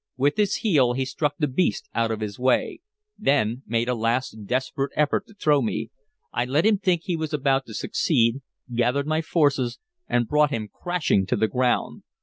With his heel he struck the beast out of his way, then made a last desperate effort to throw me. I let him think he was about to succeed, gathered my forces and brought him crashing to the ground.